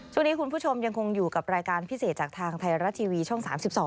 ช่วงนี้คุณผู้ชมยังคงอยู่กับรายการพิเศษจากทางไทยรัฐทีวีช่อง๓๒